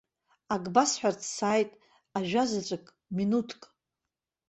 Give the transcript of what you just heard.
Ак басҳәарц сааит, ажәазаҵәык, минуҭк!